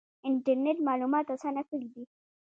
انټرنیټ معلومات اسانه کړي دي